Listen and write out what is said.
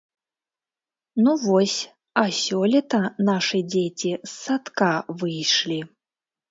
Ну вось, а сёлета нашы дзеці з садка выйшлі.